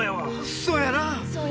そうやな。